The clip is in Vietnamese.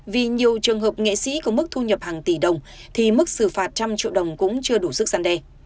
vì nhiều trường hợp nghệ sĩ có mức thu nhập hàng tỷ đồng thì mức xử phạt một trăm linh triệu đồng cũng chưa đủ sức săn đe